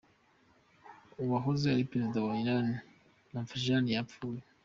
Uwahoze ari prezida wa Iran Rafsanjani yapfuye.